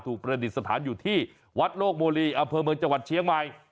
ประดิษฐานอยู่ที่วัดโลกโมลีอำเภอเมืองจังหวัดเชียงใหม่